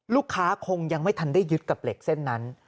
คงยังไม่ทันได้ยึดกับเหล็กเส้นนั้น